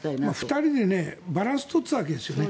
２人でバランスを取っていたわけですよね。